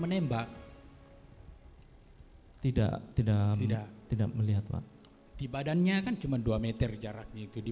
menembak tidak tidak tidak melihat pak di badannya kan cuma dua meter jaraknya itu di